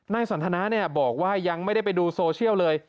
สันทนาบอกว่ายังไม่ได้ไปดูโซเชียลเลย